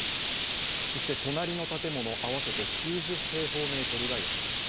そして隣の建物、合わせて９０平方メートルが焼けました。